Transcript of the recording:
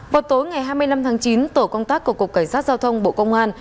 vào tối ngày hai mươi năm tháng chín tổ công tác của cục cảnh sát giao thông bộ công an